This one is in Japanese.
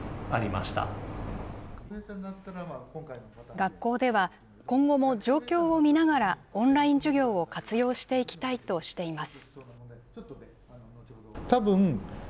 学校では、今後も状況を見ながら、オンライン授業を活用していきたいとしています。